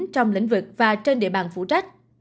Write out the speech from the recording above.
trong lĩnh vực và trên địa bàn phụ trách